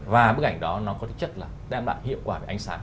và bức ảnh đó nó có tính chất là đem lại hiệu quả về ánh sáng